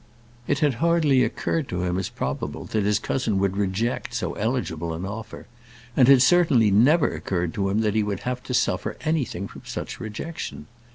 It had hardly occurred to him as probable that his cousin would reject so eligible an offer, and had certainly never occurred to him that he would have to suffer anything from such rejection.